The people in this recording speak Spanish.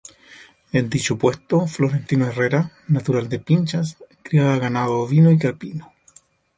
En dicho puesto, Florentino Herrera, natural de Pinchas, criaba ganado ovino y caprino.